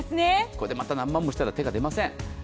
これでまた何万もしたら手が出ません。